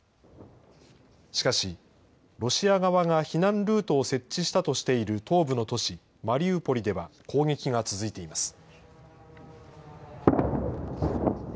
しかし、ロシア側が避難ルートを設置したとしている東部の都市マリウポリでは攻撃が続いています。